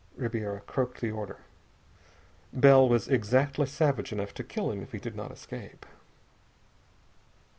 Ribiera croaked the order. Bell was exactly savage enough to kill him if he did not escape.